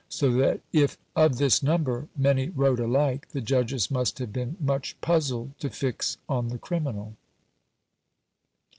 So that if of this number many wrote alike, the judges must have been much puzzled to fix on the criminal.